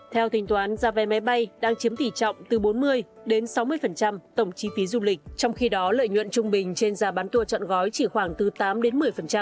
theo tính toán giá vé máy bay đang chiếm tỷ trọng từ bốn mươi đến sáu mươi tổng chi phí du lịch trong khi đó lợi nhuận trung bình trên giá bán tour chọn gói chỉ khoảng từ tám đến một mươi